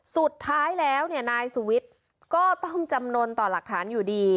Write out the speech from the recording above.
สุดท้ายแล้วนายสุวิทย์ก็ต้องจำนวนต่อหลักฐานอยู่ดี